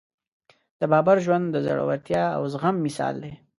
د بابر ژوند د زړورتیا او زغم مثال دی.